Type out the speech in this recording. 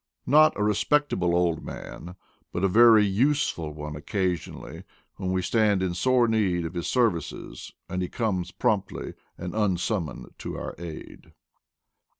Not a respectable Old Man, but a very useful ona occasionally, when we stand in sore need of his services and he comes promptly and unsummoned to our aid.